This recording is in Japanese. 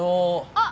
あっ！